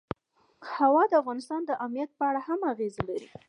هوا د افغانستان د امنیت په اړه هم اغېز لري.